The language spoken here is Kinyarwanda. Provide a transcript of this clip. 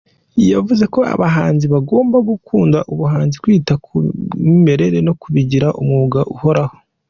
Yavuze ko abahanzi bagomba gukunda ubuhanzi, kwita ku mwimerere no kubigira umwuga uhoraho.